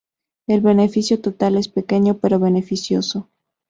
El beneficio total es pequeño pero beneficioso.